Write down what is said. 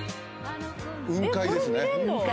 雲海ですね。